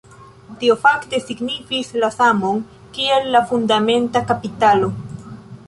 Tio fakte signifis la samon kiel la fundamenta kapitalo.